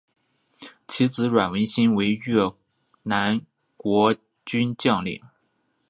其子阮文馨为越南国军将领。